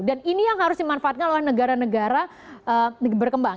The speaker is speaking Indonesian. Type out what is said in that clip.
dan ini yang harus dimanfaatkan oleh negara negara berkembang